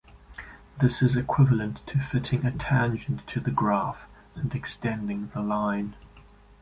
This is equivalent to fitting a tangent to the graph and extending the line.